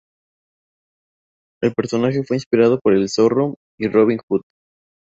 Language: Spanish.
El personaje fue inspirado por El Zorro y Robin Hood.